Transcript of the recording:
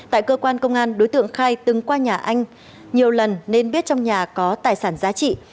tại cơ quan công an đối tượng khai từng qua nhà anh nhiều lần nên biết trong nhà có tài sản giá trị